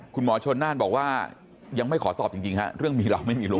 คุณหมอชนน่านบอกว่ายังไม่ขอตอบจริงฮะเรื่องมีเราไม่มีรู้